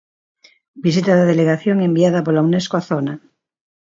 Visita da delegación enviada pola Unesco á zona.